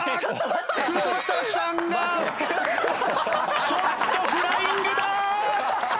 久保田さんがちょっとフライングだ！